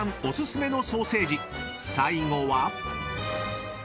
お薦めのソーセージ最後は？］